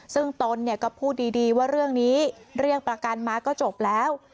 ซึ่งตนก็พูดดีว่าเรื่องนี้เรียกประกันมาก็จบแล้ว